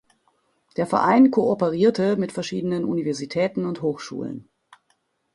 Der Verein kooperierte mit verschiedenen Universitäten und Hochschulen.